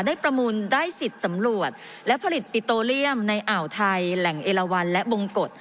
ประมูลได้สิทธิ์สำรวจและผลิตปิโตเลียมในอ่าวไทยแหล่งเอลวันและบงกฎ